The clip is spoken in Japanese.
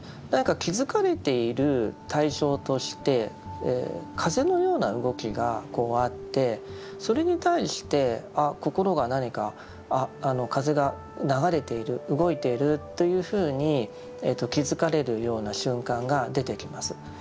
気づかれている対象として風のような動きがこうあってそれに対して心が何か風が流れている動いているというふうに気づかれるような瞬間が出てきます。